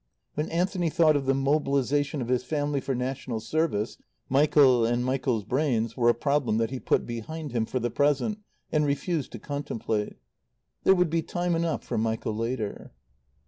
When Anthony thought of the mobilization of his family for national service, Michael and Michael's brains were a problem that he put behind him for the present and refused to contemplate. There would be time enough for Michael later.